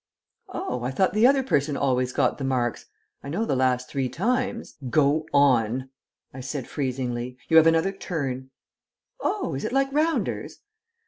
"Oh, I thought the other person always got the marks. I know the last three times " "Go on," I said freezingly. "You have another turn." "Oh, is it like rounders?"